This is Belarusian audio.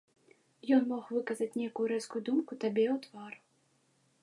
Ён мог выказаць нейкую рэзкую думку табе ў твар.